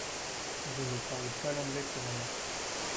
Je ne parle pas l'anglais couramment.